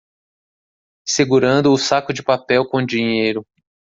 Segurando o saco de papel com dinheiro